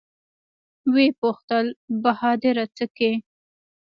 ويې پوښتل بهادره سه کې.